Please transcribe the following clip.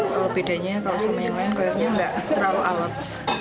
kalau bedanya kalau semua yang lain koyoknya nggak terlalu awet